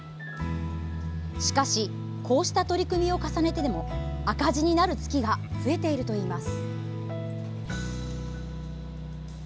しかしこうした取り組みを重ねても赤字になる月が増えているといいます。